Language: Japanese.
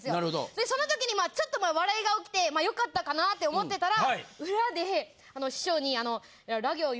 でその時にちょっとまあ笑いが起きて良かったかなぁって思ってたら裏で師匠にあの。